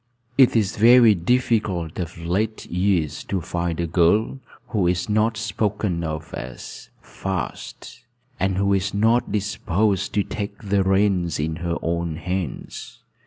It is very difficult of late years to find a girl who is not spoken of as 'fast,' and who is not disposed to take the reins in her own hands.